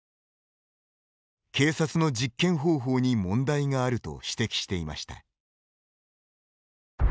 警察の実験方法に問題があると指摘していました。